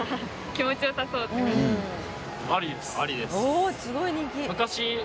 おおすごい人気。